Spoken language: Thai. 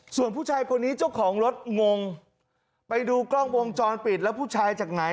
ส่วนผู้ชายคนนี้เจ้าของรถงงไปดูกล้องวงจรปิดแล้วผู้ชายจากไหน